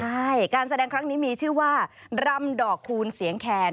ใช่การแสดงครั้งนี้มีชื่อว่ารำดอกคูณเสียงแคน